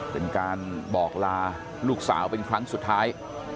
เป็นการบอกลาลูกสาวเป็นครั้งสุดท้าย